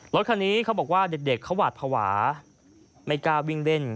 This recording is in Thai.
รถคันนี้เขาบอกว่าเด็กเขาหวาดภาวะไม่กล้าวิ่งเล่น